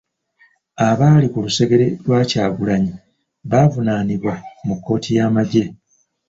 Abaali ku lusegere lwa Kyagulanyi bavunaanibwa mu kkooti y'amagye.